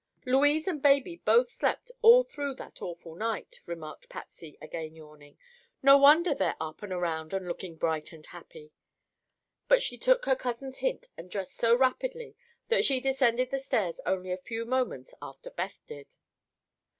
"Louise and baby both slept all through that awful night," remarked Patsy, again yawning. "No wonder they're up and around and looking bright and happy." But she took her cousin's hint and dressed so rapidly that she descended the stairs only a few moments after Beth did.